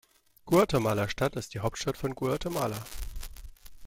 Guatemala-Stadt ist die Hauptstadt von Guatemala.